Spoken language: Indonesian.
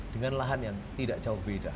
dengan lahan yang tidak jauh beda